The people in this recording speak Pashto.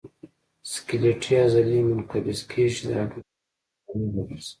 سکلیټي عضلې منقبض کېږي چې د هډوکو د حرکت لامل وګرځي.